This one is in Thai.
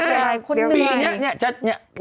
เอาไงปีนี้เนี่ย